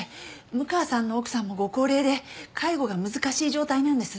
六川さんの奥さんもご高齢で介護が難しい状態なんです。